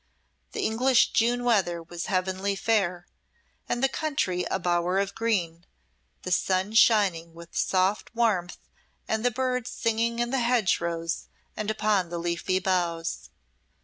The English June weather was heavenly fair, and the country a bower of green, the sun shining with soft warmth and the birds singing in the hedgerows and upon the leafy boughs.